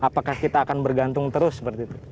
apakah kita akan bergantung terus seperti itu